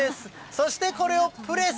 そしてこれをプレス。